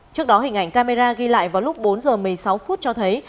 trước đó hình ảnh camera ghi lại vào lúc bốn h một mươi sáu phút cho thấy